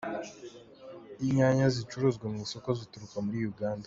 Inyanya zicuruzwa mu isoko zituruka muri Uganda